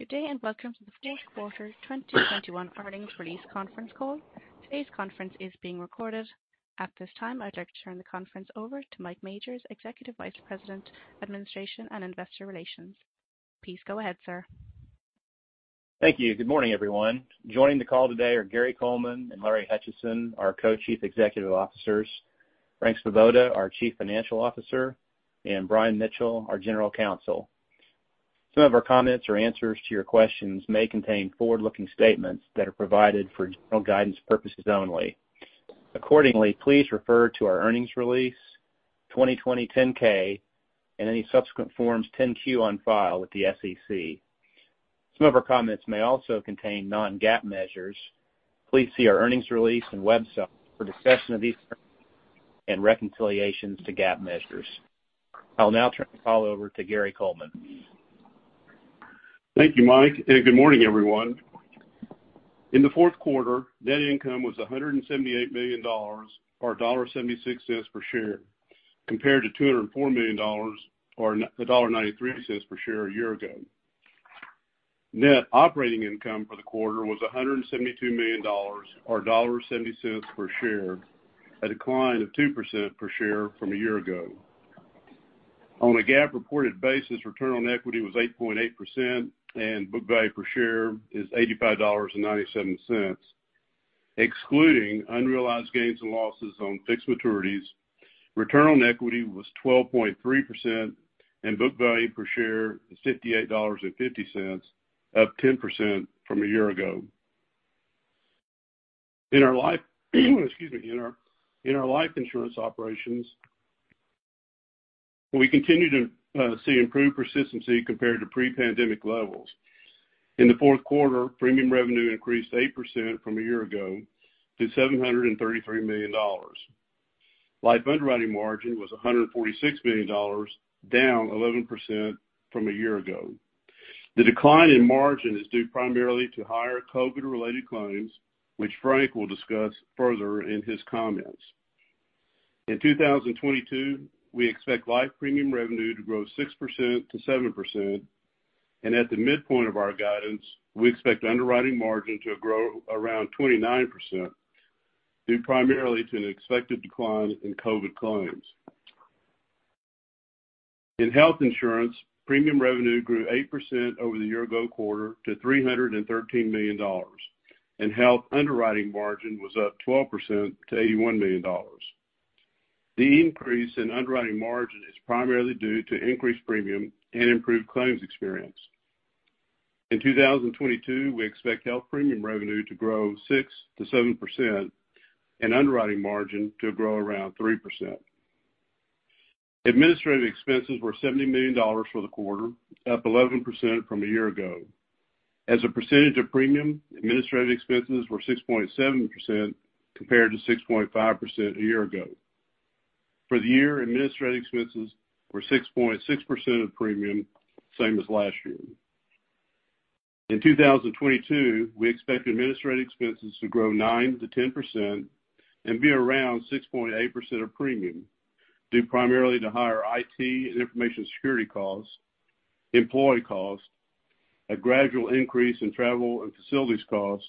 Good day, and welcome to the fourth quarter 2021 earnings release conference call. Today's conference is being recorded. At this time, I'd like to turn the conference over to Mike Majors, Executive Vice President, Administration and Investor Relations. Please go ahead, sir. Thank you. Good morning, everyone. Joining the call today are Gary Coleman and Larry Hutchison, our Co-Chief Executive Officers, Frank Svoboda, our Chief Financial Officer, and Brian Mitchell, our General Counsel. Some of our comments or answers to your questions may contain forward-looking statements that are provided for general guidance purposes only. Accordingly, please refer to our earnings release, 2020 10-K and any subsequent Forms 10-Q on file with the SEC. Some of our comments may also contain non-GAAP measures. Please see our earnings release and website for discussion of these and reconciliations to GAAP measures. I'll now turn the call over to Gary Coleman. Thank you, Mike, and good morning, everyone. In the fourth quarter, net income was $178 million or $1.76 per share, compared to $204 million or $1.93 per share a year ago. Net operating income for the quarter was $172 million or $1.70 per share, a decline of 2% per share from a year ago. On a GAAP reported basis, return on equity was 8.8%, and book value per share is $85.97. Excluding unrealized gains and losses on fixed maturities, return on equity was 12.3%, and book value per share is $58.50, up 10% from a year ago. In our life, excuse me. In our life insurance operations, we continue to see improved persistency compared to pre-pandemic levels. In the fourth quarter, premium revenue increased 8% from a year ago to $733 million. Life underwriting margin was $146 million, down 11% from a year ago. The decline in margin is due primarily to higher COVID-related claims, which Frank will discuss further in his comments. In 2022, we expect life premium revenue to grow 6%-7%, and at the midpoint of our guidance, we expect underwriting margin to grow around 29%, due primarily to an expected decline in COVID claims. In health insurance, premium revenue grew 8% over the year ago quarter to $313 million, and health underwriting margin was up 12% to $81 million. The increase in underwriting margin is primarily due to increased premium and improved claims experience. In 2022, we expect health premium revenue to grow 6%-7% and underwriting margin to grow around 3%. Administrative expenses were $70 million for the quarter, up 11% from a year ago. As a percentage of premium, administrative expenses were 6.7% compared to 6.5% a year ago. For the year, administrative expenses were 6.6% of premium, same as last year. In 2022, we expect administrative expenses to grow 9%-10% and be around 6.8% of premium, due primarily to higher IT and information security costs, employee costs, a gradual increase in travel and facilities costs,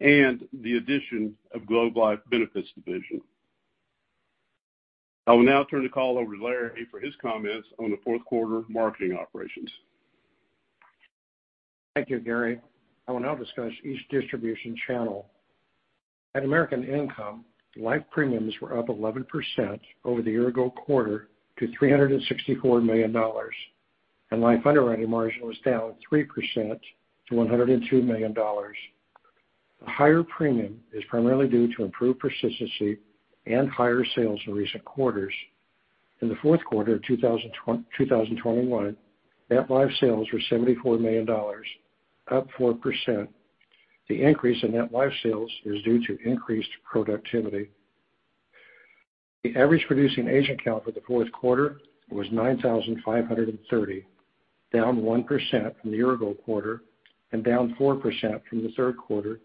and the addition of Globe Life Group Benefits division. I will now turn the call over to Larry for his comments on the fourth quarter marketing operations. Thank you, Gary. I will now discuss each distribution channel. At American Income, life premiums were up 11% over the year ago quarter to $364 million, and life underwriting margin was down 3% to $102 million. The higher premium is primarily due to improved persistency and higher sales in recent quarters. In the fourth quarter of 2021, net life sales were $74 million, up 4%. The increase in net life sales is due to increased productivity. The average producing agent count for the fourth quarter was 9,530, down 1% from the year ago quarter and down 4% from the third quarter.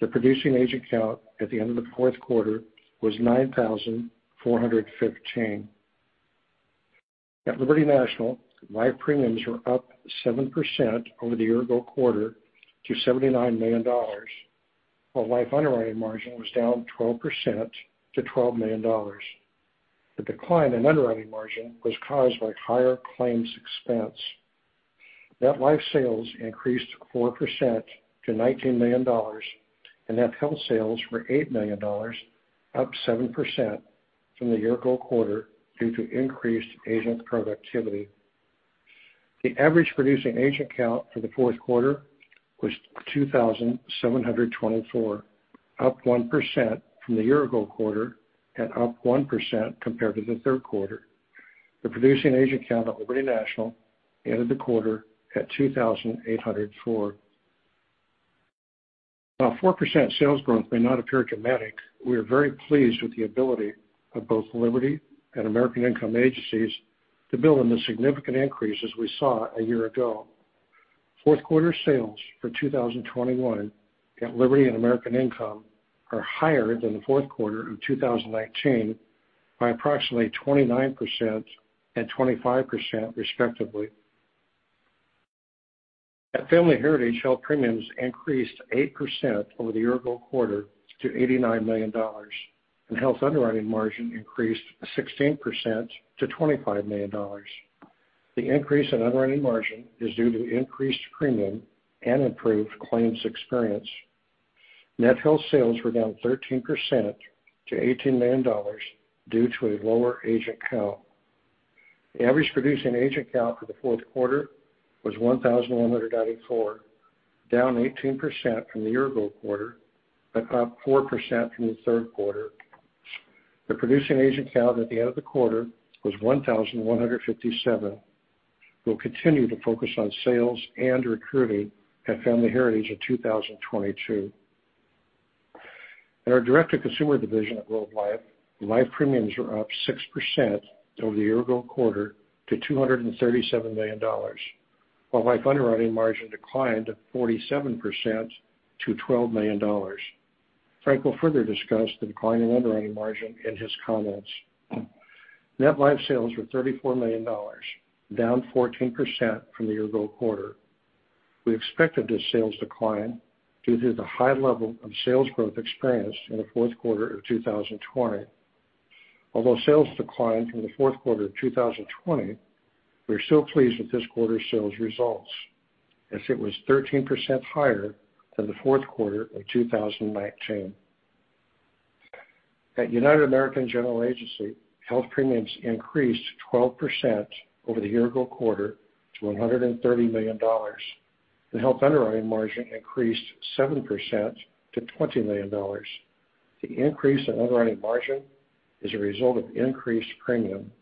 The producing agent count at the end of the fourth quarter was 9,415. At Liberty National, life premiums were up 7% over the year ago quarter to $79 million, while life underwriting margin was down 12% to $12 million. The decline in underwriting margin was caused by higher claims expense. Net life sales increased 4% to $19 million, and net health sales were $8 million, up 7% from the year ago quarter due to increased agent productivity. The average producing agent count for the fourth quarter was 2,724, up 1% from the year ago quarter and up 1% compared to the third quarter. The producing agent count at Liberty National ended the quarter at 2,804. While 4% sales growth may not appear dramatic, we are very pleased with the ability of both Liberty National and American Income Life agencies to build on the significant increases we saw a year ago. Fourth quarter sales for 2021 at Liberty National and American Income Life are higher than the fourth quarter of 2019 by approximately 29% and 25% respectively. At Family Heritage, health premiums increased 8% over the year-ago quarter to $89 million, and health underwriting margin increased 16% to $25 million. The increase in underwriting margin is due to increased premium and improved claims experience. Net health sales were down 13% to $18 million due to a lower agent count. The average producing agent count for the fourth quarter was 1,184, down 18% from the year ago quarter, but up 4% from the third quarter. The producing agent count at the end of the quarter was 1,157. We'll continue to focus on sales and recruiting at Family Heritage in 2022. In our direct-to-consumer division at Globe Life, life premiums were up 6% over the year ago quarter to $237 million, while life underwriting margin declined 47% to $12 million. Frank will further discuss the decline in underwriting margin in his comments. Net life sales were $34 million, down 14% from the year ago quarter. We expected this sales decline due to the high level of sales growth experienced in the fourth quarter of 2020. Although sales declined from the fourth quarter of 2020, we are still pleased with this quarter's sales results as it was 13% higher than the fourth quarter of 2019. At United American General Agency, health premiums increased 12% over the year ago quarter to $130 million. The health underwriting margin increased 7% to $20 million. The increase in underwriting margin is a result of increased premium.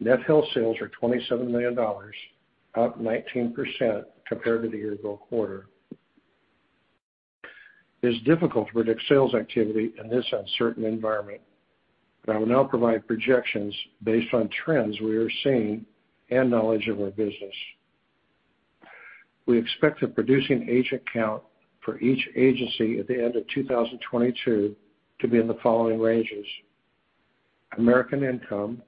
Net health sales are $27 million, up 19% compared to the year ago quarter. It is difficult to predict sales activity in this uncertain environment, but I will now provide projections based on trends we are seeing and knowledge of our business. We expect the producing agent count for each agency at the end of 2022 to be in the following ranges: American Income,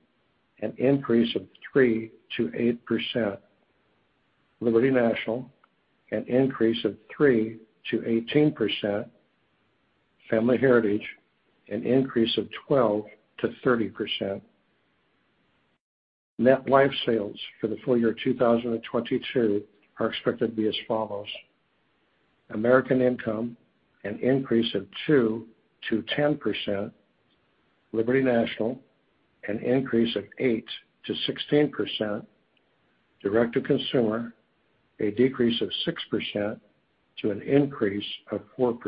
an increase of 3% to 8%. Liberty National, an increase of 3% to 18%. Family Heritage, an increase of 12% to 30%. Net life sales for the full-year 2022 are expected to be as follows: American Income, an increase of 2% to 10%. Liberty National, an increase of 8% to 16%. Direct-to-consumer, a decrease of 6% to an increase of 4%.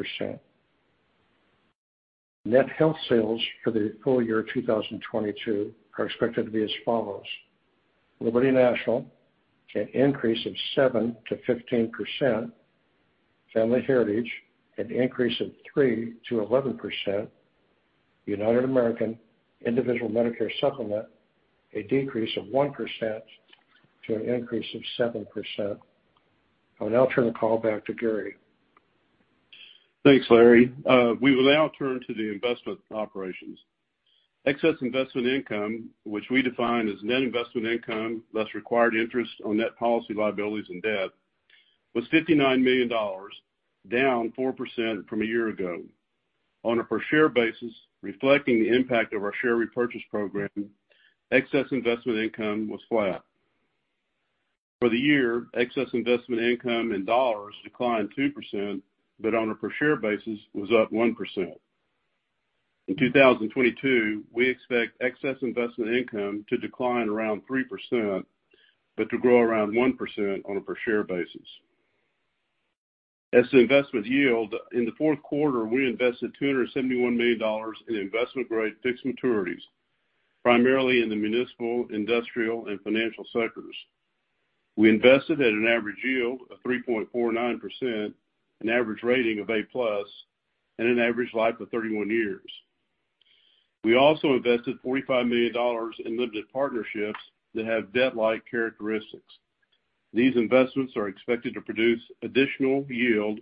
Net health sales for the full-year 2022 are expected to be as follows: Liberty National, an increase of 7% to 15%. Family Heritage, an increase of 3% to 11%. United American Individual Medicare Supplement, a decrease of 1% to an increase of 7%. I will now turn the call back to Gary. Thanks, Larry. We will now turn to the investment operations. Excess investment income, which we define as net investment income, less required interest on net policy liabilities and debt, was $59 million, down 4% from a year ago. On a per share basis, reflecting the impact of our share repurchase program, excess investment income was flat. For the year, excess investment income in dollars declined 2%, but on a per share basis was up 1%. In 2022, we expect excess investment income to decline around 3%, but to grow around 1% on a per share basis. As to investment yield, in the fourth quarter, we invested $271 million in investment-grade fixed maturities, primarily in the municipal, industrial, and financial sectors. We invested at an average yield of 3.49%, an average rating of A+, and an average life of 31 years. We also invested $45 million in limited partnerships that have debt-like characteristics. These investments are expected to produce additional yield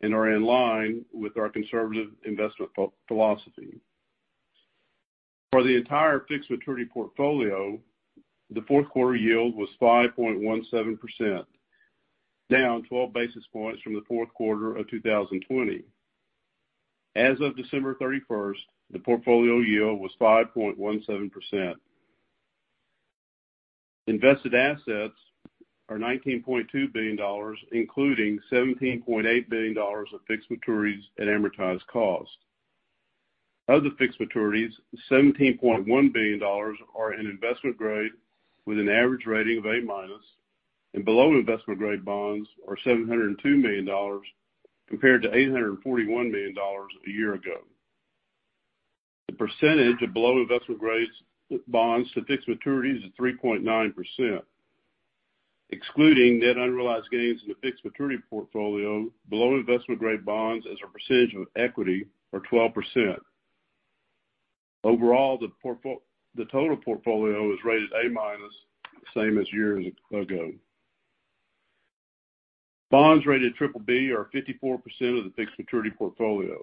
and are in line with our conservative investment philosophy. For the entire fixed maturity portfolio, the fourth quarter yield was 5.17%, down 12 basis points from the fourth quarter of 2020. As of December 31st, the portfolio yield was 5.17%. Invested assets are $19.2 billion, including $17.8 billion of fixed maturities at amortized cost. Of the fixed maturities, $17.1 billion are in investment grade with an average rating of A-, and below investment grade bonds are $702 million compared to $841 million a year ago. The percentage of below investment grade bonds to fixed maturities is 3.9%. Excluding net unrealized gains in the fixed maturity portfolio, below investment grade bonds as a percentage of equity are 12%. Overall, the total portfolio is rated A-, same as years ago. Bonds rated BBB are 54% of the fixed maturity portfolio.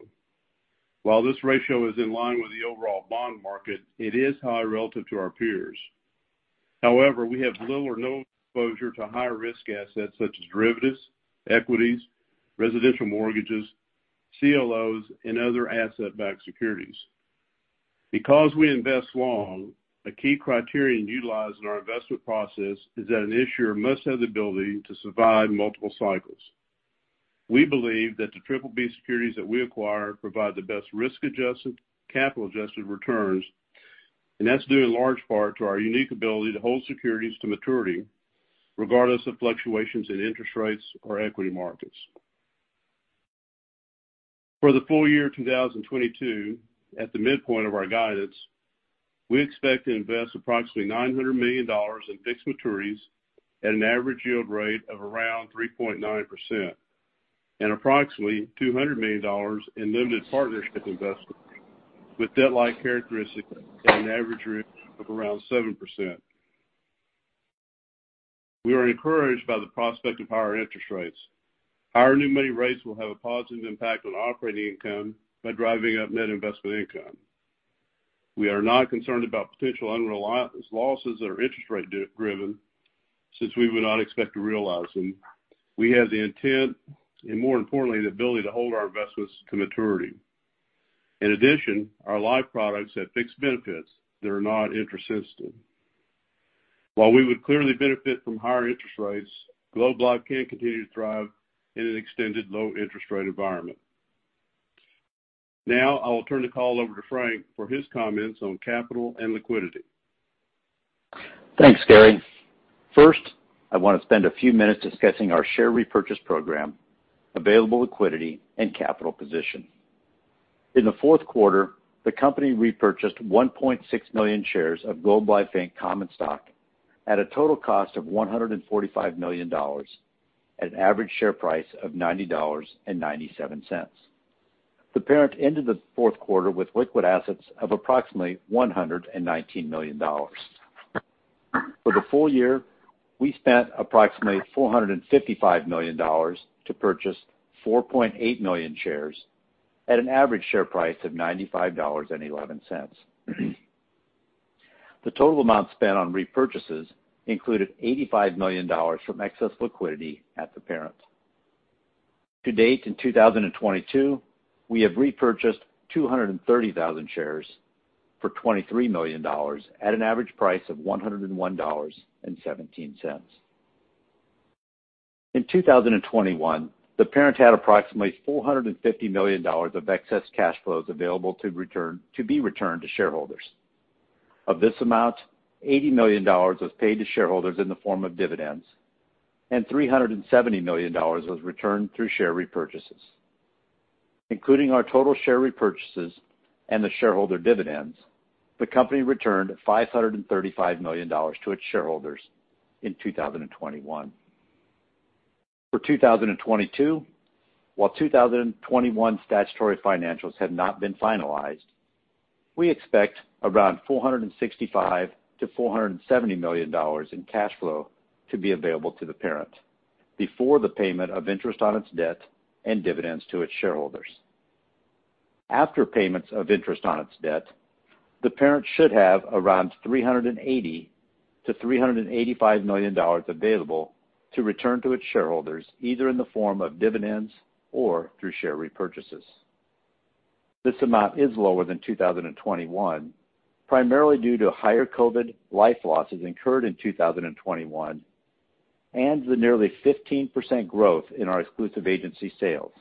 While this ratio is in line with the overall bond market, it is high relative to our peers. However, we have little or no exposure to higher risk assets such as derivatives, equities, residential mortgages, CLOs, and other asset-backed securities. Because we invest long, a key criterion utilized in our investment process is that an issuer must have the ability to survive multiple cycles. We believe that the BBB securities that we acquire provide the best risk-adjusted, capital-adjusted returns, and that's due in large part to our unique ability to hold securities to maturity regardless of fluctuations in interest rates or equity markets. For the full-year 2022, at the midpoint of our guidance, we expect to invest approximately $900 million in fixed maturities at an average yield rate of around 3.9%, and approximately $200 million in limited partnership investments with debt-like characteristics at an average rate of around 7%. We are encouraged by the prospect of higher interest rates. Higher new money rates will have a positive impact on operating income by driving up net investment income. We are not concerned about potential unrealized losses that are interest rate driven since we would not expect to realize them. We have the intent, and more importantly, the ability to hold our investments to maturity. In addition, our life products have fixed benefits that are not interest sensitive. While we would clearly benefit from higher interest rates, Globe Life can continue to thrive in an extended low interest rate environment. Now, I will turn the call over to Frank for his comments on capital and liquidity. Thanks, Gary. First, I wanna spend a few minutes discussing our share repurchase program, available liquidity, and capital position. In the fourth quarter, the company repurchased 1.6 million shares of Globe Life Inc common stock at a total cost of $145 million at an average share price of $90.97. The parent ended the fourth quarter with liquid assets of approximately $119 million. For the full-year, we spent approximately $455 million to purchase 4.8 million shares at an average share price of $95.11. The total amount spent on repurchases included $85 million from excess liquidity at the parent. To date, in 2022, we have repurchased 230,000 shares for $23 million at an average price of $101.17. In 2021, the parent had approximately $450 million of excess cash flows available to be returned to shareholders. Of this amount, $80 million was paid to shareholders in the form of dividends, and $370 million was returned through share repurchases. Including our total share repurchases and the shareholder dividends, the company returned $535 million to its shareholders in 2021. For 2022, while 2021 statutory financials have not been finalized, we expect around $465 million-$470 million in cash flow to be available to the parent before the payment of interest on its debt and dividends to its shareholders. After payments of interest on its debt, the parent should have around $380 million-$385 million available to return to its shareholders, either in the form of dividends or through share repurchases. This amount is lower than 2021, primarily due to higher COVID life losses incurred in 2021, and the nearly 15% growth in our exclusive agency sales,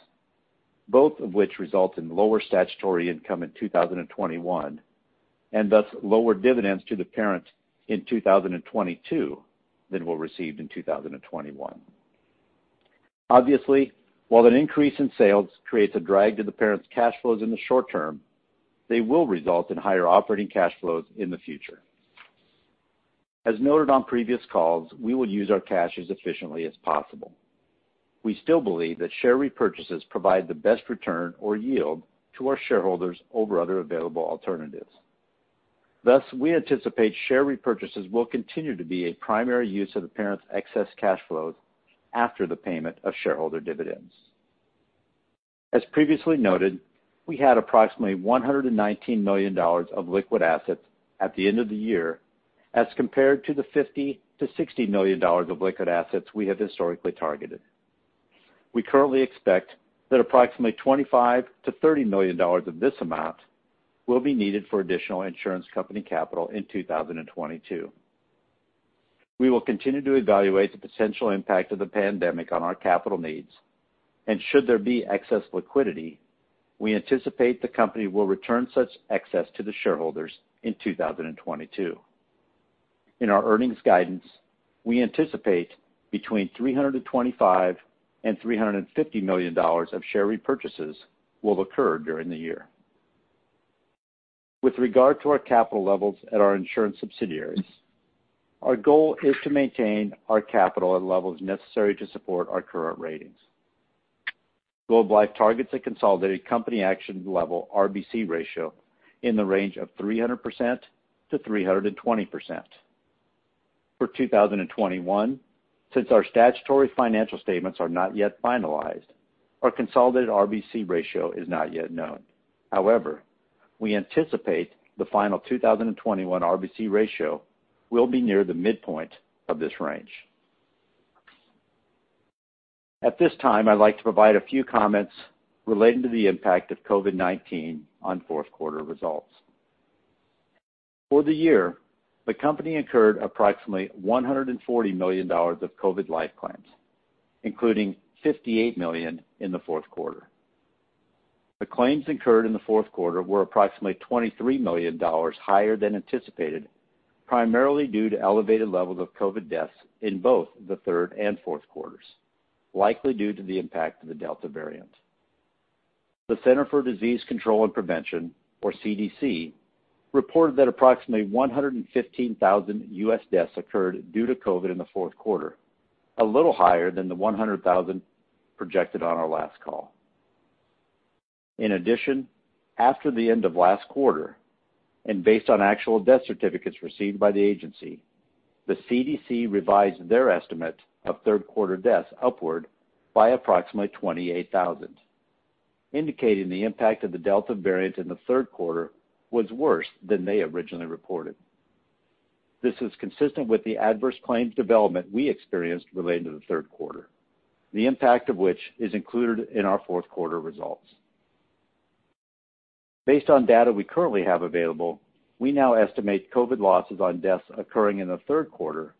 both of which result in lower statutory income in 2021, and thus lower dividends to the parent in 2022 than were received in 2021. Obviously, while an increase in sales creates a drag to the parent's cash flows in the short term, they will result in higher operating cash flows in the future. As noted on previous calls, we will use our cash as efficiently as possible. We still believe that share repurchases provide the best return or yield to our shareholders over other available alternatives. Thus, we anticipate share repurchases will continue to be a primary use of the parent's excess cash flows after the payment of shareholder dividends. As previously noted, we had approximately $119 million of liquid assets at the end of the year as compared to the $50 million-$60 million of liquid assets we have historically targeted. We currently expect that approximately $25 million-$30 million of this amount will be needed for additional insurance company capital in 2022. We will continue to evaluate the potential impact of the pandemic on our capital needs, and should there be excess liquidity, we anticipate the company will return such excess to the shareholders in 2022. In our earnings guidance, we anticipate between $325 million and $350 million of share repurchases will occur during the year. With regard to our capital levels at our insurance subsidiaries, our goal is to maintain our capital at levels necessary to support our current ratings. Globe Life targets a consolidated company action level RBC ratio in the range of 300%-320%. For 2021, since our statutory financial statements are not yet finalized, our consolidated RBC ratio is not yet known. However, we anticipate the final 2021 RBC ratio will be near the midpoint of this range. At this time, I'd like to provide a few comments relating to the impact of COVID-19 on fourth quarter results. For the year, the company incurred approximately $140 million of COVID life claims, including $58 million in the fourth quarter. The claims incurred in the fourth quarter were approximately $23 million higher than anticipated, primarily due to elevated levels of COVID deaths in both the third and fourth quarters, likely due to the impact of the Delta variant. The Centers for Disease Control and Prevention, or CDC, reported that approximately 115,000 US deaths occurred due to COVID in the fourth quarter, a little higher than the 100,000 projected on our last call. In addition, after the end of last quarter, and based on actual death certificates received by the agency, the CDC revised their estimate of third quarter deaths upward by approximately 28,000, indicating the impact of the Delta variant in the third quarter was worse than they originally reported. This is consistent with the adverse claims development we experienced relating to the third quarter, the impact of which is included in our fourth quarter results. Based on data we currently have available, we now estimate COVID losses on deaths occurring in the third quarter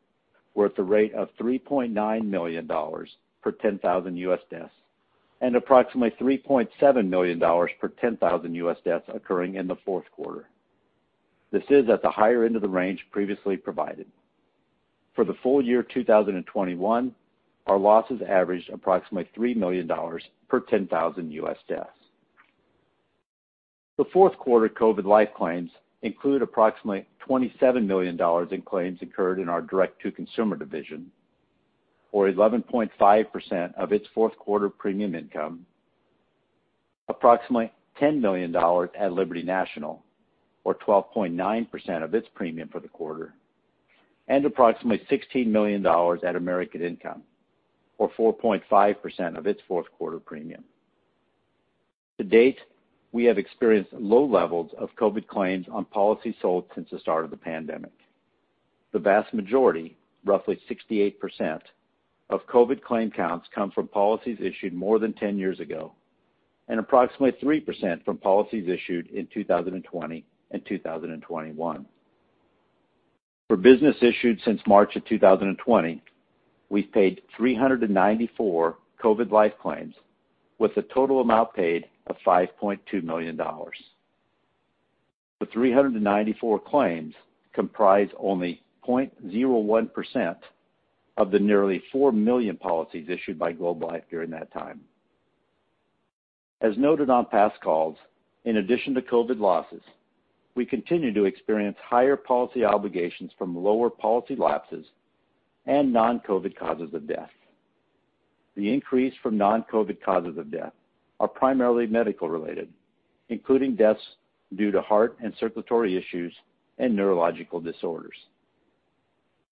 were at the rate of $3.9 million per 10,000 US deaths, and approximately $3.7 million per 10,000 US deaths occurring in the fourth quarter. This is at the higher end of the range previously provided. For the full- year 2021, our losses averaged approximately $3 million per 10,000 US deaths. The fourth quarter COVID life claims include approximately $27 million in claims incurred in our Direct to Consumer division, or 11.5% of its fourth quarter premium income, approximately $10 million at Liberty National, or 12.9% of its premium for the quarter, and approximately $16 million at American Income Life, or 4.5% of its fourth quarter premium. To date, we have experienced low levels of COVID claims on policies sold since the start of the pandemic. The vast majority, roughly 68%, of COVID claim counts come from policies issued more than 10 years ago, and approximately 3% from policies issued in 2020 and 2021. For business issued since March 2020, we've paid 394 COVID life claims with a total amount paid of $5.2 million. The 394 claims comprise only 0.01% of the nearly 4 million policies issued by Globe Life during that time. As noted on past calls, in addition to COVID losses, we continue to experience higher policy obligations from lower policy lapses and non-COVID causes of death. The increase from non-COVID causes of death are primarily medical related, including deaths due to heart and circulatory issues and neurological disorders.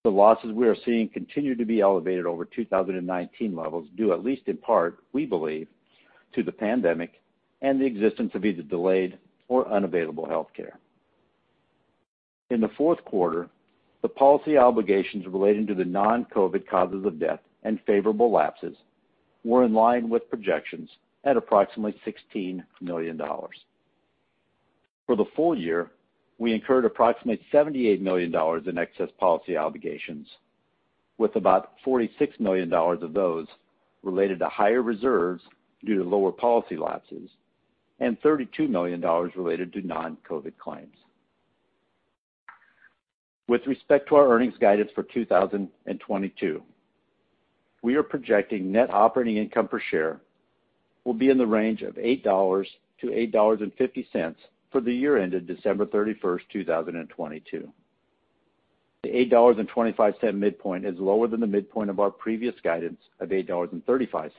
The losses we are seeing continue to be elevated over 2019 levels due at least in part, we believe, to the pandemic and the existence of either delayed or unavailable health care. In the fourth quarter, the policy obligations relating to the non-COVID causes of death and favorable lapses were in line with projections at approximately $16 million. For the full-year, we incurred approximately $78 million in excess policy obligations, with about $46 million of those related to higher reserves due to lower policy lapses and $32 million related to non-COVID claims. With respect to our earnings guidance for 2022, we are projecting net operating income per share will be in the range of $8-$8.50 for the year ended December 31st, 2022. The $8.25 midpoint is lower than the midpoint of our previous guidance of $8.35,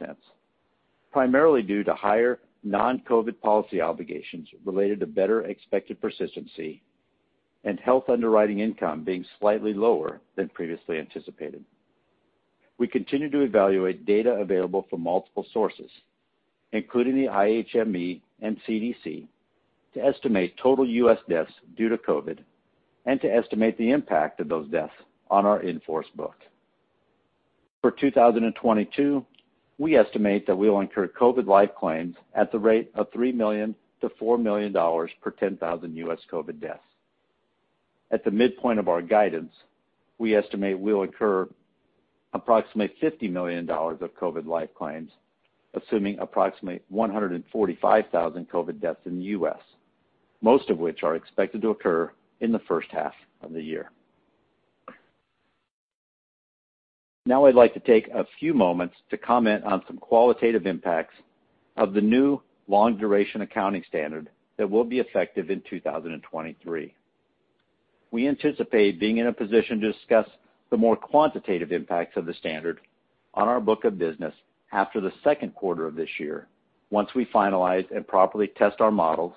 primarily due to higher non-COVID policy obligations related to better expected persistency and health underwriting income being slightly lower than previously anticipated. We continue to evaluate data available from multiple sources, including the IHME and CDC, to estimate total US deaths due to COVID and to estimate the impact of those deaths on our in-force book. For 2022, we estimate that we will incur COVID life claims at the rate of $3 million-$4 million per 10,000 US COVID deaths. At the midpoint of our guidance, we estimate we'll incur approximately $50 million of COVID life claims, assuming approximately 145,000 COVID deaths in The U.S., most of which are expected to occur in the first half of the year. Now I'd like to take a few moments to comment on some qualitative impacts of the new Long-Duration Targeted Improvements that will be effective in 2023. We anticipate being in a position to discuss the more quantitative impacts of the standard on our book of business after the second quarter of this year, once we finalize and properly test our models,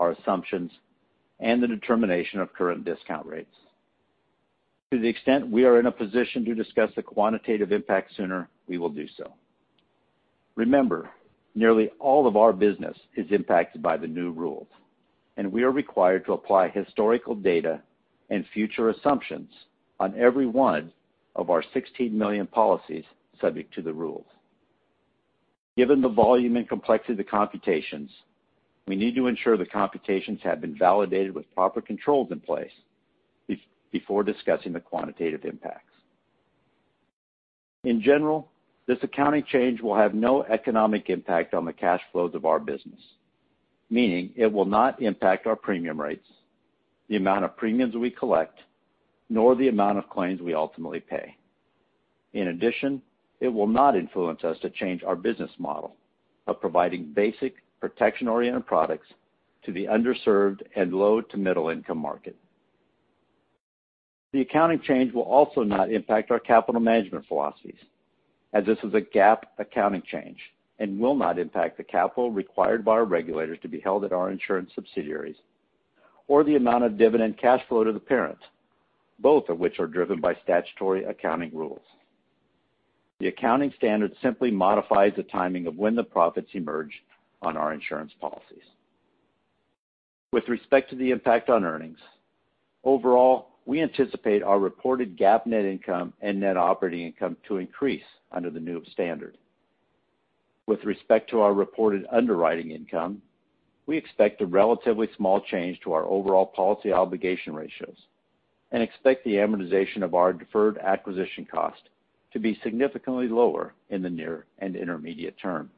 our assumptions, and the determination of current discount rates. To the extent we are in a position to discuss the quantitative impact sooner, we will do so. Remember, nearly all of our business is impacted by the new rules, and we are required to apply historical data and future assumptions on every one of our 16 million policies subject to the rules. Given the volume and complexity of the computations, we need to ensure the computations have been validated with proper controls in place before discussing the quantitative impacts. In general, this accounting change will have no economic impact on the cash flows of our business, meaning it will not impact our premium rates, the amount of premiums we collect, nor the amount of claims we ultimately pay. In addition, it will not influence us to change our business model of providing basic protection-oriented products to the underserved and low to middle income market. The accounting change will also not impact our capital management philosophies, as this is a GAAP accounting change and will not impact the capital required by our regulators to be held at our insurance subsidiaries or the amount of dividend cash flow to the parents, both of which are driven by statutory accounting rules. The accounting standard simply modifies the timing of when the profits emerge on our insurance policies. With respect to the impact on earnings, overall, we anticipate our reported GAAP net income and net operating income to increase under the new standard. With respect to our reported underwriting income, we expect a relatively small change to our overall policy obligation ratios and expect the amortization of our deferred acquisition cost to be significantly lower in the near and intermediate term.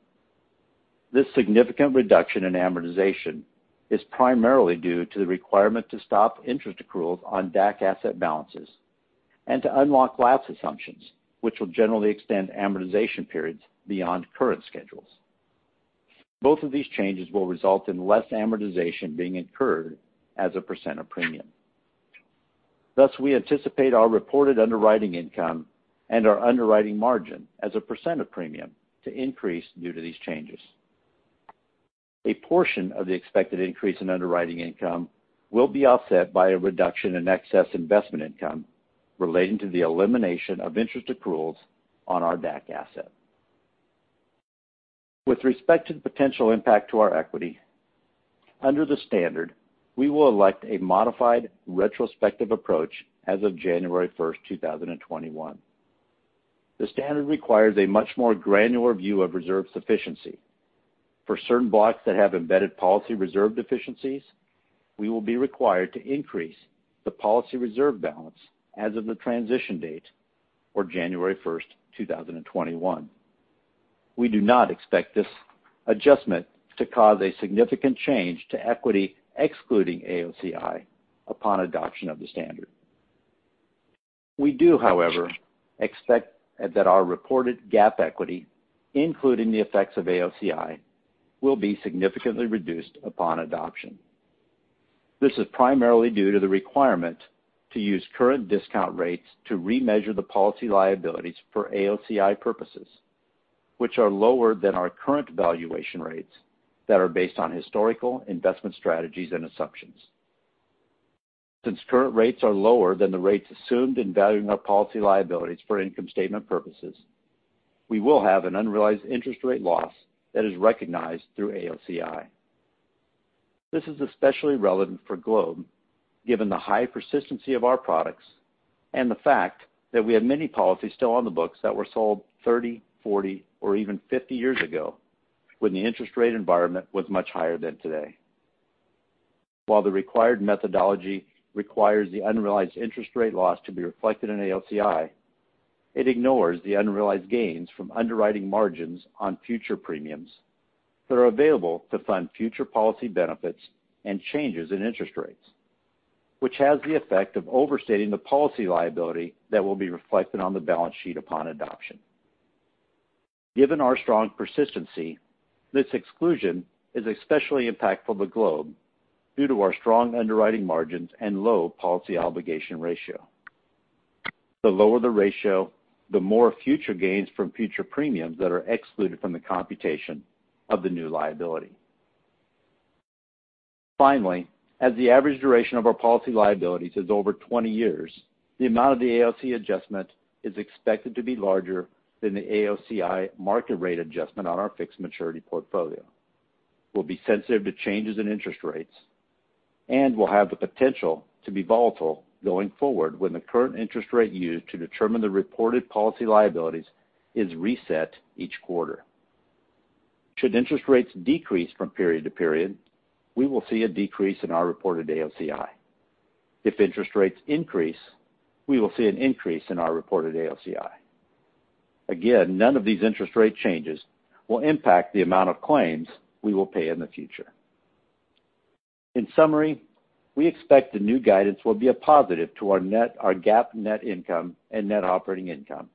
This significant reduction in amortization is primarily due to the requirement to stop interest accruals on DAC asset balances and to unlock lapse assumptions, which will generally extend amortization periods beyond current schedules. Both of these changes will result in less amortization being incurred as a percent of premium. Thus, we anticipate our reported underwriting income and our underwriting margin as a percent of premium to increase due to these changes. A portion of the expected increase in underwriting income will be offset by a reduction in excess investment income relating to the elimination of interest accruals on our DAC asset. With respect to the potential impact to our equity, under the standard, we will elect a modified retrospective approach as of January 1st, 2021. The standard requires a much more granular view of reserve sufficiency. For certain blocks that have embedded policy reserve deficiencies, we will be required to increase the policy reserve balance as of the transition date or January 1st, 2021. We do not expect this adjustment to cause a significant change to equity excluding AOCI upon adoption of the standard. We do, however, expect that our reported GAAP equity, including the effects of AOCI, will be significantly reduced upon adoption. This is primarily due to the requirement to use current discount rates to remeasure the policy liabilities for AOCI purposes, which are lower than our current valuation rates that are based on historical investment strategies and assumptions. Since current rates are lower than the rates assumed in valuing our policy liabilities for income statement purposes, we will have an unrealized interest rate loss that is recognized through AOCI. This is especially relevant for Globe, given the high persistency of our products and the fact that we have many policies still on the books that were sold 30, 40, or even 50 years ago, when the interest rate environment was much higher than today. While the required methodology requires the unrealized interest rate loss to be reflected in AOCI, it ignores the unrealized gains from underwriting margins on future premiums that are available to fund future policy benefits and changes in interest rates, which has the effect of overstating the policy liability that will be reflected on the balance sheet upon adoption. Given our strong persistency, this exclusion is especially impactful to Globe due to our strong underwriting margins and low policy obligation ratio. The lower the ratio, the more future gains from future premiums that are excluded from the computation of the new liability. Finally, as the average duration of our policy liabilities is over 20 years, the amount of the AOCI adjustment is expected to be larger than the AOCI market rate adjustment on our fixed maturity portfolio, will be sensitive to changes in interest rates, and will have the potential to be volatile going forward when the current interest rate used to determine the reported policy liabilities is reset each quarter. Should interest rates decrease from period to period, we will see a decrease in our reported AOCI. If interest rates increase, we will see an increase in our reported AOCI. Again, none of these interest rate changes will impact the amount of claims we will pay in the future. In summary, we expect the new guidance will be a positive to our net, our GAAP net income and net operating income.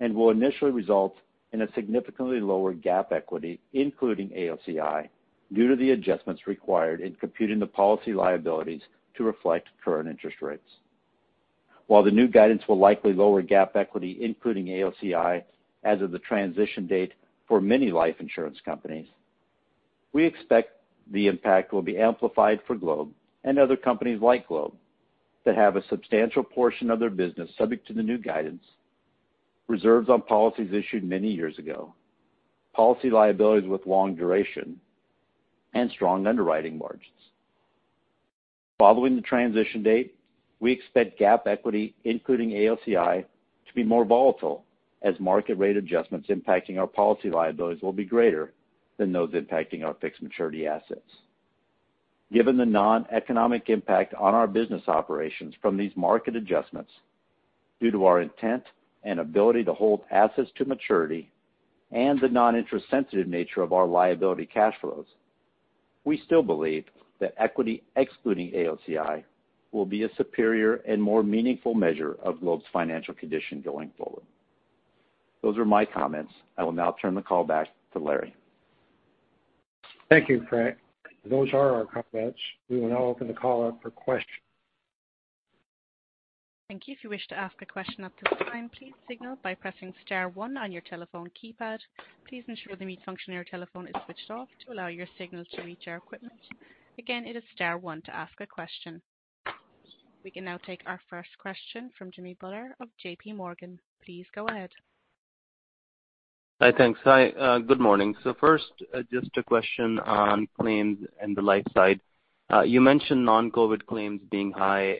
Will initially result in a significantly lower GAAP equity, including AOCI, due to the adjustments required in computing the policy liabilities to reflect current interest rates. While the new guidance will likely lower GAAP equity, including AOCI, as of the transition date for many life insurance companies, we expect the impact will be amplified for Globe and other companies like Globe that have a substantial portion of their business subject to the new guidance, reserves on policies issued many years ago, policy liabilities with long duration, and strong underwriting margins. Following the transition date, we expect GAAP equity, including AOCI, to be more volatile as market rate adjustments impacting our policy liabilities will be greater than those impacting our fixed maturity assets. Given the noneconomic impact on our business operations from these market adjustments due to our intent and ability to hold assets to maturity and the non-interest sensitive nature of our liability cash flows, we still believe that equity excluding AOCI will be a superior and more meaningful measure of Globe's financial condition going forward. Those are my comments. I will now turn the call back to Larry. Thank you, Frank. Those are our comments. We will now open the call up for questions. Thank you. If you wish to ask a question at this time, please signal by pressing star one on your telephone keypad. Please ensure the mute function of your telephone is switched off to allow your signals to reach our equipment. Again, it is star one to ask a question. We can now take our first question from Jimmy Bhullar of JPMorgan. Please go ahead. Hi. Thanks. Hi, good morning. First, just a question on claims and the life side. You mentioned non-COVID claims being high.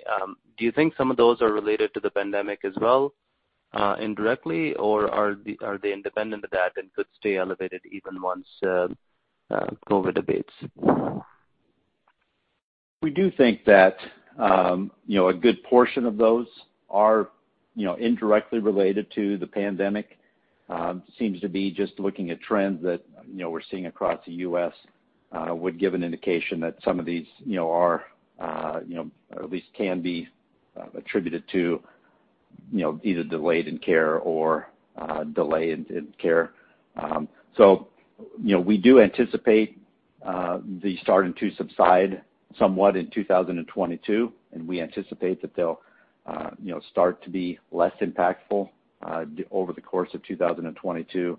Do you think some of those are related to the pandemic as well, indirectly, or are they independent of that and could stay elevated even once COVID abates? We do think that, you know, a good portion of those are, you know, indirectly related to the pandemic. It seems to be just looking at trends that, you know, we're seeing across The U.S., would give an indication that some of these, you know, are, you know, at least can be attributed to, you know, either delay in care or delayed care. We do anticipate these starting to subside somewhat in 2022, and we anticipate that they'll, you know, start to be less impactful over the course of 2022.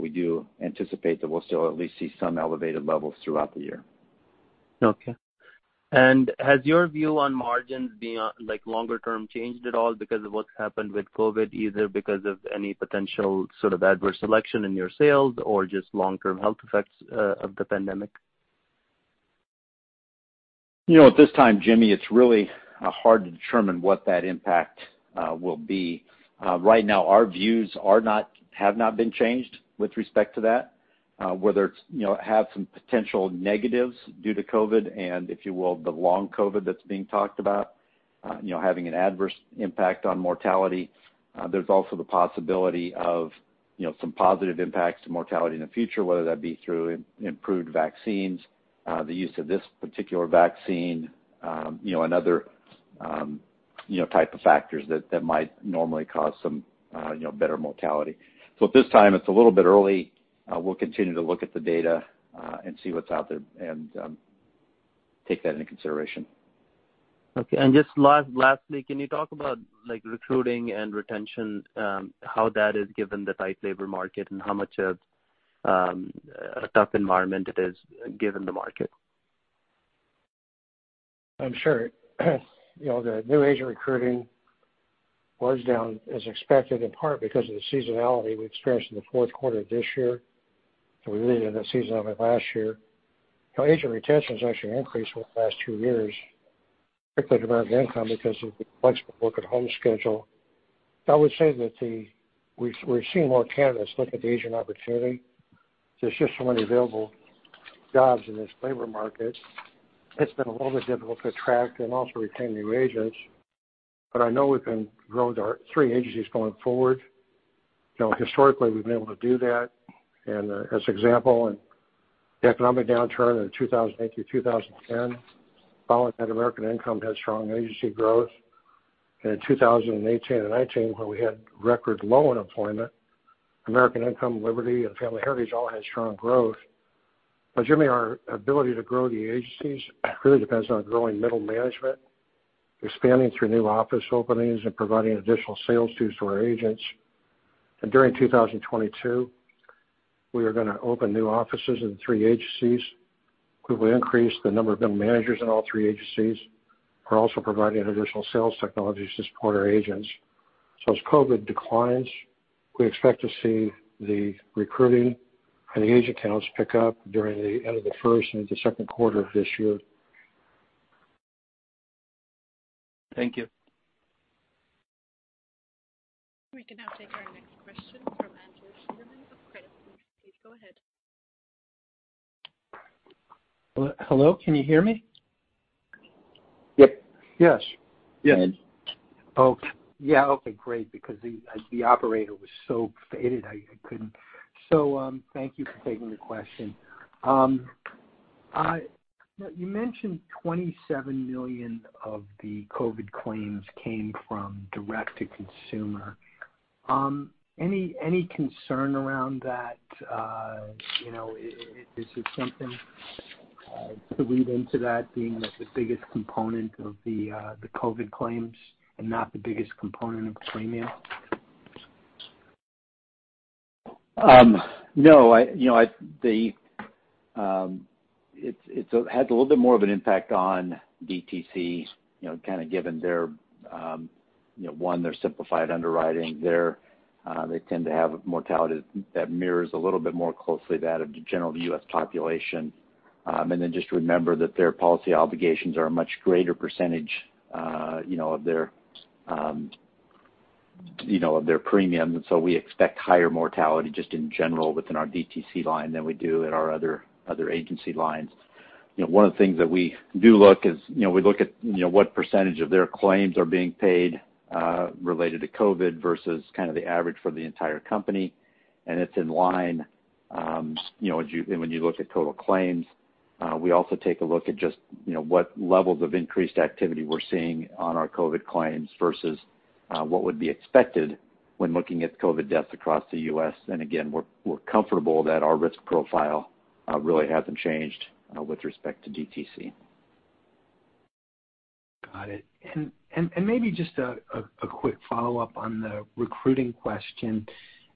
We do anticipate that we'll still at least see some elevated levels throughout the year. Okay. Has your view on margins being, like, longer term changed at all because of what's happened with COVID, either because of any potential sort of adverse selection in your sales or just long-term health effects of the pandemic? You know, at this time, Jimmy, it's really hard to determine what that impact will be. Right now, our views have not been changed with respect to that, whether it's you know have some potential negatives due to COVID and, if you will, the long COVID that's being talked about you know having an adverse impact on mortality. There's also the possibility of you know some positive impacts to mortality in the future, whether that be through improved vaccines, the use of this particular vaccine, you know and other you know type of factors that might normally cause some you know better mortality. At this time, it's a little bit early. We'll continue to look at the data and see what's out there and take that into consideration. Okay. Just lastly, can you talk about, like, recruiting and retention, how that is given the tight labor market and how much of a tough environment it is given the market? I'm sure, you know, the new agent recruiting was down as expected, in part because of the seasonality we experienced in the fourth quarter of this year, and we really didn't have seasonality last year. You know, agent retention has actually increased over the last two years, particularly American Income, because of the flexible work at home schedule. I would say that we're seeing more candidates look at the agent opportunity. There's just so many available jobs in this labor market. It's been a little bit difficult to attract and also retain new agents. I know we can grow our three agencies going forward. You know, historically, we've been able to do that. As example, in the economic downturn in 2008 through 2010, both American Income had strong agency growth. 2019, where we had record low unemployment, American Income Life, Liberty National, and Family Heritage all had strong growth. Jimmy, our ability to grow the agencies really depends on growing middle management, expanding through new office openings, and providing additional sales tools to our agents. During 2022, we are gonna open new offices in three agencies. We will increase the number of middle managers in all three agencies. We're also providing additional sales technologies to support our agents. As COVID declines, we expect to see the recruiting and the agent counts pick up during the end of the first and the second quarter of this year. Thank you. We can now take our next question from Andrew Kligerman of Credit Suisse. Please go ahead. Hello, can you hear me? Yep. Yes. Yes. Oh, yeah. Okay, great, because the operator was so faded I couldn't. Thank you for taking the question. Now you mentioned $27 million of the COVID claims came from Direct to Consumer. Any concern around that? You know, is it something to read into that being like the biggest component of the COVID claims and not the biggest component of premium? No, you know, it has a little bit more of an impact on DTC, you know, kind of given their, you know, one, their simplified underwriting. They tend to have mortality that mirrors a little bit more closely that of the general US population. Just remember that their policy obligations are a much greater percentage, you know, of their premium. We expect higher mortality just in general within our DTC line than we do in our other agency lines. You know, one of the things that we do look is, you know, we look at, you know, what percentage of their claims are being paid, related to COVID versus kind of the average for the entire company, and it's in line, you know, and when you look at total claims. We also take a look at just, you know, what levels of increased activity we're seeing on our COVID claims versus, what would be expected when looking at COVID deaths across The U.S. Again, we're comfortable that our risk profile really hasn't changed, with respect to DTC. Got it. Maybe just a quick follow-up on the recruiting question.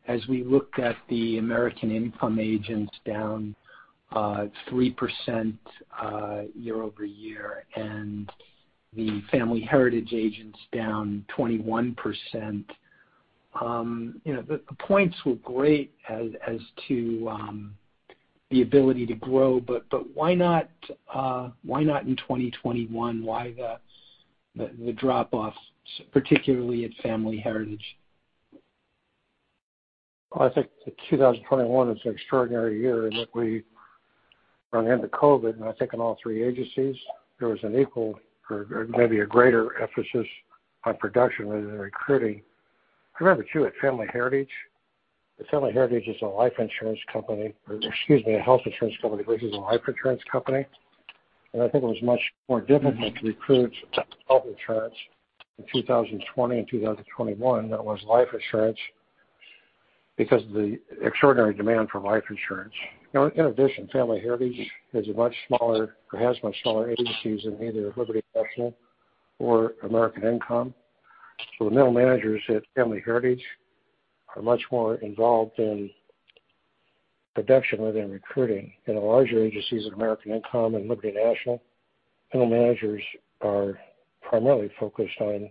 As we looked at the American Income agents down 3% year-over-year, and the Family Heritage agents down 21%. You know, the points were great as to the ability to grow, but why not in 2021? Why the drop-off, particularly at Family Heritage? Well, I think that 2021 is an extraordinary year in that we run into COVID. I think in all three agencies there was an equal or maybe a greater emphasis on production rather than recruiting. Remember too, at Family Heritage, that Family Heritage is a life insurance company, or excuse me, a health insurance company versus a life insurance company. I think it was much more difficult to recruit health insurance in 2020 and 2021 than it was life insurance because of the extraordinary demand for life insurance. Now, in addition, Family Heritage has much smaller agencies than either Liberty National or American Income. The middle managers at Family Heritage are much more involved in production rather than recruiting. In the larger agencies of American Income and Liberty National, middle managers are primarily focused on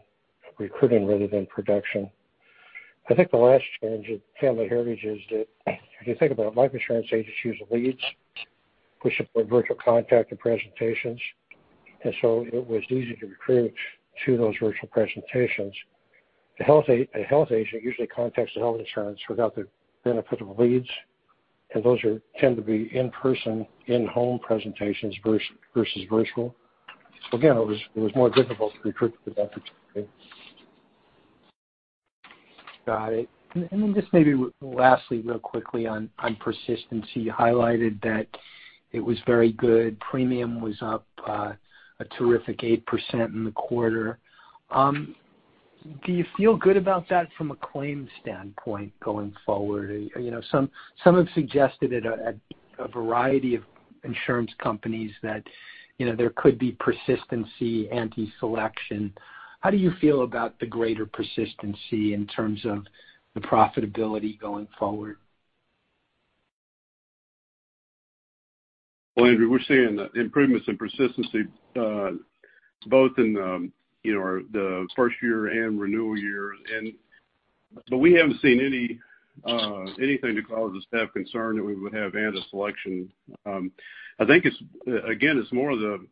recruiting rather than production. I think the last challenge at Family Heritage is that if you think about life insurance agency leads, which support virtual contact and presentations, and so it was easy to recruit to those virtual presentations. The health agent usually contacts prospects without the benefit of leads, and those tend to be in-person, in-home presentations versus virtual. Again, it was more difficult to recruit for that reason. Got it. Then just maybe lastly, real quickly on persistency. You highlighted that it was very good. Premium was up a terrific 8% in the quarter. Do you feel good about that from a claims standpoint going forward? You know, some have suggested at a variety of insurance companies that, you know, there could be persistency adverse selection. How do you feel about the greater persistency in terms of the profitability going forward? Well, Andrew, we're seeing improvements in persistency, both in, you know, the first year and renewal year. We haven't seen any anything to cause us to have concern that we would have adverse selection. I think it's, again, it's more of the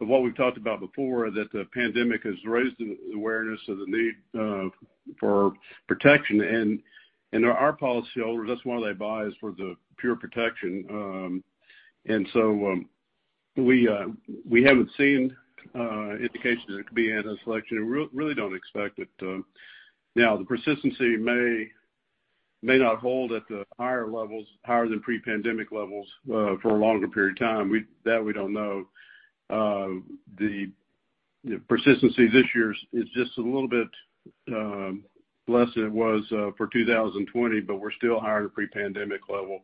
of what we've talked about before, that the pandemic has raised the awareness of the need for protection. Our policyholders, that's why they buy is for the pure protection. We haven't seen indications that it could be adverse selection and really don't expect it to. Now, the persistency may not hold at the higher levels than pre-pandemic levels for a longer period of time. That we don't know. The persistency this year is just a little bit less than it was for 2020, but we're still higher than pre-pandemic level.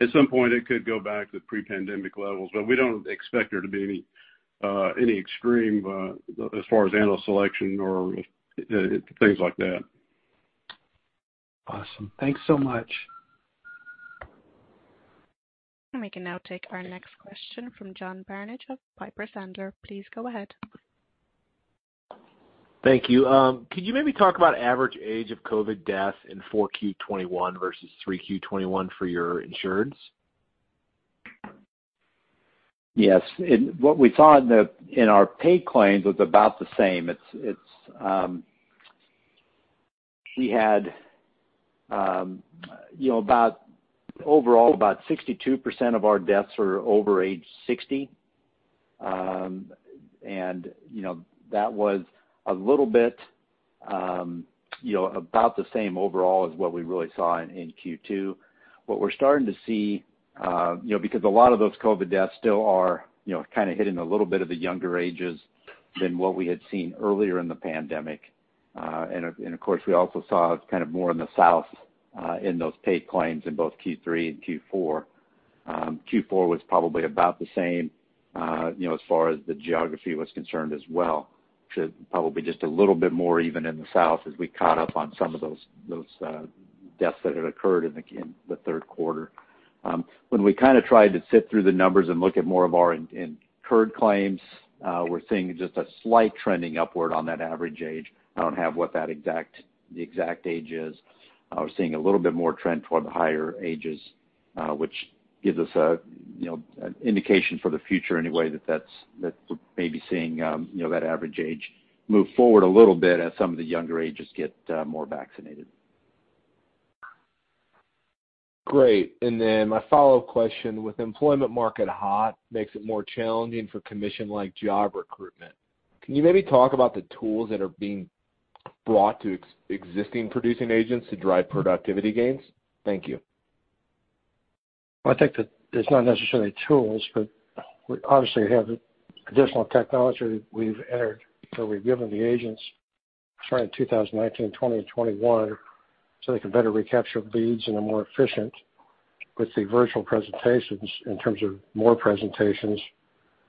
At some point, it could go back to pre-pandemic levels, but we don't expect there to be any extreme as far as annual selection or things like that. Awesome. Thanks so much. We can now take our next question from John Barnidge of Piper Sandler. Please go ahead. Thank you. Could you maybe talk about average age of COVID deaths in 4Q 2021 versus 3Q 2021 for your insureds? Yes. What we saw in our paid claims was about the same. We had you know about overall 62% of our deaths were over age 60. You know that was a little bit you know about the same overall as what we really saw in Q2. What we're starting to see you know because a lot of those COVID deaths still are you know kind of hitting a little bit of the younger ages than what we had seen earlier in the pandemic. Of course we also saw it's kind of more in the South in those paid claims in both Q3 and Q4. Q4 was probably about the same you know as far as the geography was concerned as well. Should probably be just a little bit more even in the South as we caught up on some of those deaths that had occurred in the third quarter. When we kind of tried to sift through the numbers and look at more of our incurred claims, we're seeing just a slight trending upward on that average age. I don't have the exact age. We're seeing a little bit more trend toward the higher ages, which gives us, you know, an indication for the future anyway, that we're maybe seeing, you know, that average age move forward a little bit as some of the younger ages get more vaccinated. Great. My follow-up question, with the employment market hot makes it more challenging for commission-only job recruitment, can you maybe talk about the tools that are being brought to existing producing agents to drive productivity gains? Thank you. I think that there's not necessarily tools, but we obviously have additional technology we've entered, or we've given the agents starting in 2019, 2020, and 2021, so they can better recapture leads and are more efficient with the virtual presentations in terms of more presentations,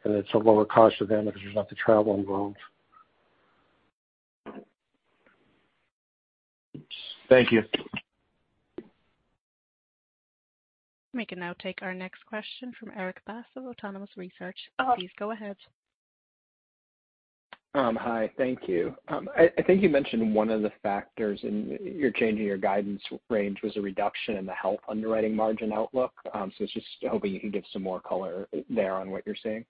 and it's a lower cost to them because there's not the travel involved. Thank you. We can now take our next question from Erik Bass of Autonomous Research. Please go ahead. Hi. Thank you. I think you mentioned one of the factors in your changing your guidance range was a reduction in the health underwriting margin outlook. So just hoping you can give some more color there on what you're seeing.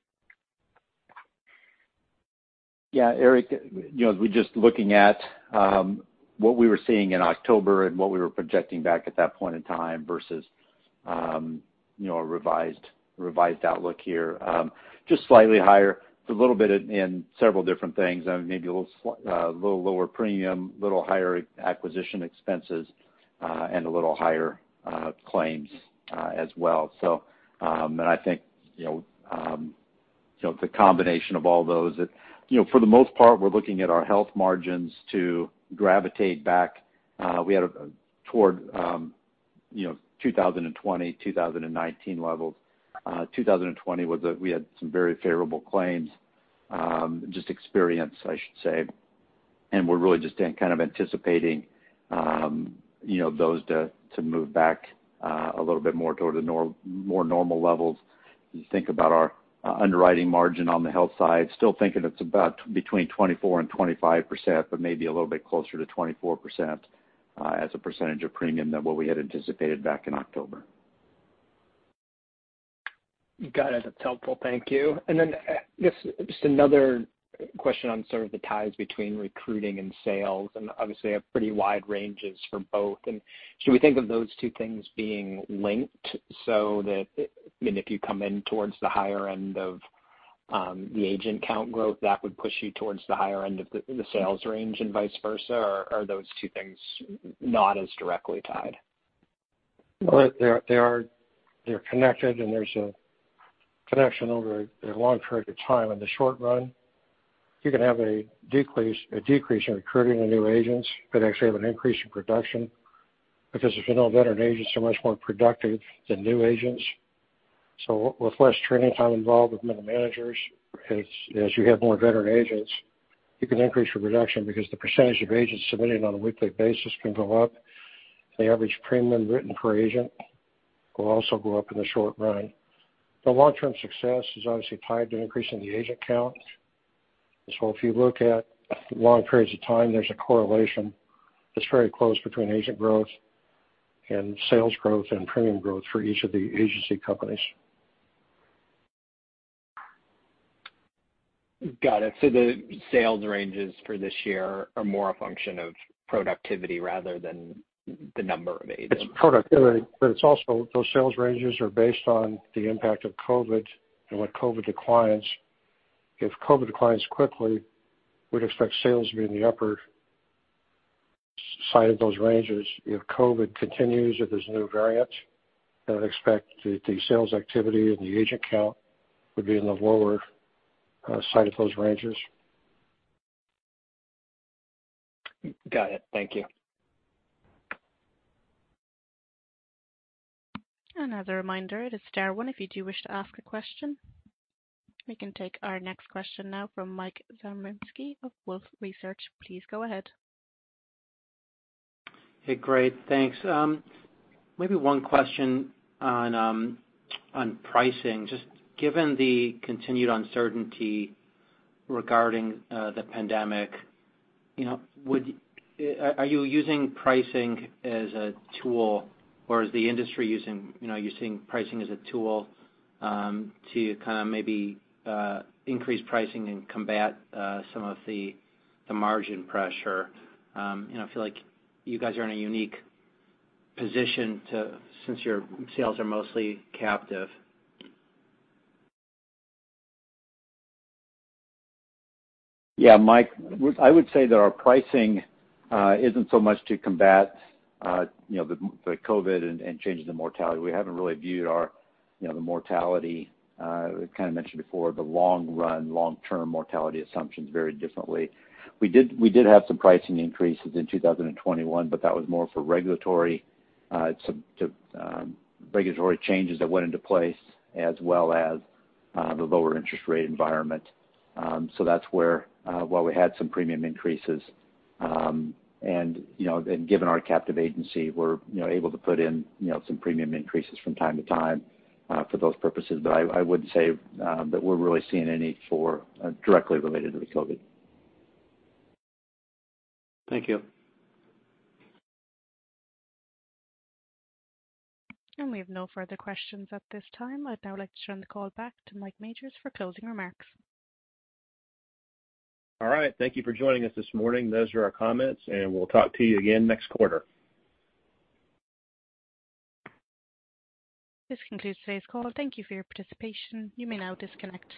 Yeah, Erik, you know, we're just looking at what we were seeing in October and what we were projecting back at that point in time versus you know, a revised outlook here. Just slightly higher. It's a little bit in several different things. I mean, maybe a little lower premium, little higher acquisition expenses, and a little higher claims as well. I think you know it's a combination of all those that you know for the most part, we're looking at our health margins to gravitate back toward 2020, 2019 levels. 2020 was. We had some very favorable claims experience, I should say. We're really just kind of anticipating, you know, those to move back a little bit more toward the norm, more normal levels. As you think about our underwriting margin on the health side, still thinking it's about between 24% and 25%, but maybe a little bit closer to 24% as a percentage of premium than what we had anticipated back in October. Got it. That's helpful. Thank you. Just another question on sort of the ties between recruiting and sales, and obviously you have pretty wide ranges for both. Should we think of those two things being linked so that, I mean, if you come in towards the higher end of the agent count growth, that would push you towards the higher end of the sales range and vice versa? Are those two things not as directly tied? Well, they're connected, and there's a connection over a long period of time. In the short run, you can have a decrease in recruiting of new agents, but actually have an increase in production because, as you know, veteran agents are much more productive than new agents. With less training time involved with middle managers, as you have more veteran agents, you can increase your production because the percentage of agents submitting on a weekly basis can go up. The average premium written per agent will also go up in the short run. Long-term success is obviously tied to an increase in the agent count. If you look at long periods of time, there's a correlation that's very close between agent growth and sales growth and premium growth for each of the agency companies. Got it. The sales ranges for this year are more a function of productivity rather than the number of agents. It's productivity, but it's also those sales ranges are based on the impact of COVID and what COVID declines. If COVID declines quickly, we'd expect sales to be in the upper side of those ranges. If COVID continues or there's new variants, I'd expect the sales activity and the agent count would be in the lower side of those ranges. Got it. Thank you. Another reminder, it is star one if you do wish to ask a question. We can take our next question now from Mike Zaremski of Wolfe Research. Please go ahead. Hey, great. Thanks. Maybe one question on pricing. Just given the continued uncertainty regarding the pandemic, you know, are you using pricing as a tool, or is the industry using pricing as a tool to kind of maybe increase pricing and combat some of the margin pressure? You know, I feel like you guys are in a unique position, too, since your sales are mostly captive. Yeah, Mike, I would say that our pricing isn't so much to combat, you know, the COVID and changes in mortality. We haven't really viewed our, you know, the mortality kind of mentioned before, the long run, long-term mortality assumptions very differently. We did have some pricing increases in 2021, but that was more for regulatory changes that went into place as well as the lower interest rate environment. So that's where, while we had some premium increases, and, you know, given our captive agency, we're, you know, able to put in, you know, some premium increases from time to time for those purposes. But I wouldn't say that we're really seeing any for directly related to the COVID. Thank you. We have no further questions at this time. I'd now like to turn the call back to Mike Majors for closing remarks. All right. Thank you for joining us this morning. Those are our comments, and we'll talk to you again next quarter. This concludes today's call. Thank you for your participation. You may now disconnect.